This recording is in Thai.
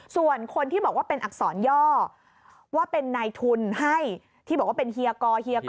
ส่วนคนที่บอกว่าเป็นอักษรย่อว่าเป็นนายทุนให้ที่บอกว่าเป็นเฮียกอเฮียกอ